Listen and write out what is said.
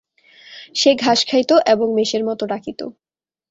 সে ঘাস খাইত এবং মেষের মত ডাকিত।